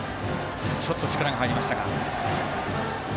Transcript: ちょっと力が入りましたか。